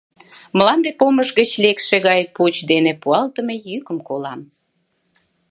Мланде помыш гыч лекше гай пуч дене пуалтыме йӱкым колам: